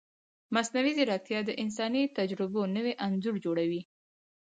مصنوعي ځیرکتیا د انساني تجربو نوی انځور جوړوي.